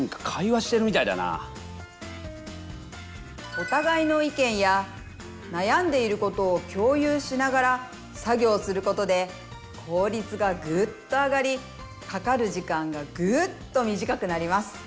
おたがいの意見や悩んでいることを共有しながら作業することで効率がぐっと上がりかかる時間がぐっと短くなります。